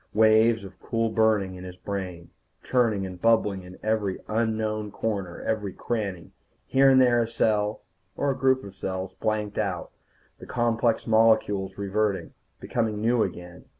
Waves of cool burning in his brain, churning and bubbling in every unknown corner, every cranny. Here and there a cell, or a group of cells, blanked out, the complex molecules reverting, becoming new again.